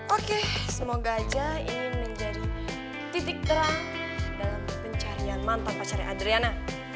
oke semoga aja ini menjadi titik terang dalam pencarian mantan pacarnya adriana